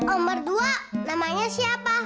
om berdua namanya siapa